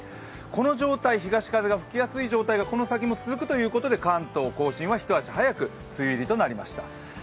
この状態、東風が吹きやすい状態がこの先も続くということで関東甲信は一足早く梅雨入りとなりました。